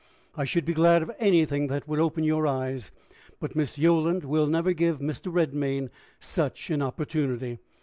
I should be glad of anything that would open your eyes. But Miss Yolland will never give Mr. Redmain such an opportunity.